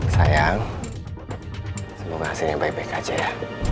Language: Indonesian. sayang semoga hasilnya baik baik aja ya